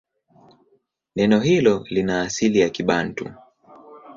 Neno hilo lina asili ya Kibantu.